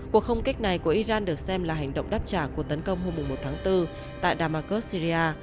cuộc không kích này của iran được xem là hành động đáp trả cuộc tấn công hôm một tháng bốn tại damasus syria